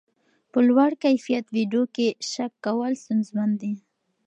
په لوړ کیفیت ویډیو کې شک کول ستونزمن دي.